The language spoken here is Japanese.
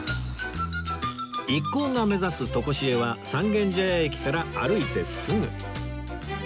一行が目指すとこしえは三軒茶屋駅から歩いてすぐ